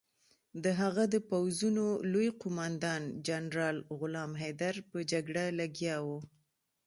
د هغه د پوځونو لوی قوماندان جنرال غلام حیدر په جګړه لګیا وو.